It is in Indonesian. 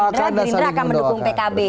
gelinda akan mendukung pkb